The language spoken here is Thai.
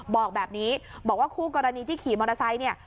บอกแบบนี้บอกว่าคู่กรณีที่ขี่มอเตอร์ไซค์เนี่ย